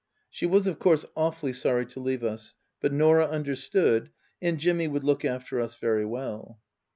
She was of course awfully sorry to leave us, but Norah understood, and Jimmy would look after us very well.